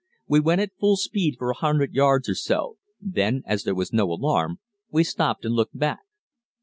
We went at full speed for a hundred yards or so, then, as there was no alarm, we stopped and looked back.